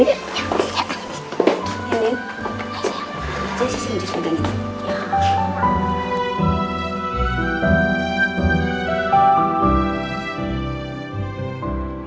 udah jam segini kok masa belum pulang ya